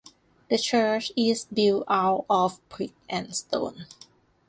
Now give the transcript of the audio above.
The church is built out of brick and stone.